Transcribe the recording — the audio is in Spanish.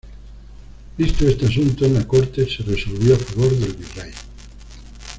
Visto este asunto en la Corte se resolvió a favor del virrey.